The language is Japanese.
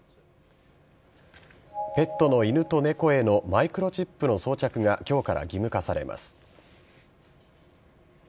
ペットの犬と猫へのマイクロチップの装着が今日から義務化されます。